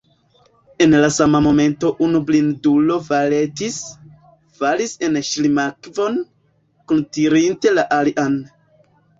En la sama momento unu blindulo faletis, falis en ŝlimakvon, kuntirinte la alian.